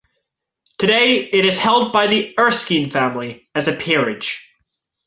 Today it is held by the Erskine family as a peerage.